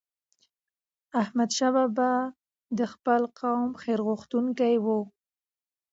احمدشاه بابا به د خپل قوم خیرغوښتونکی و.